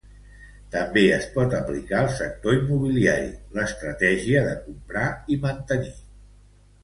També es pot aplicar al sector immobiliari l"estratègia de "comprar i mantenir".